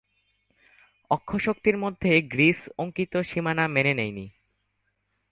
অক্ষশক্তির মধ্যে গ্রীস অঙ্কিত সীমানা মেনে নেয়নি।